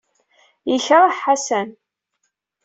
Yekṛeh Ḥasan.